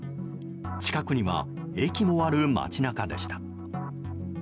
近くには駅もある街中でした。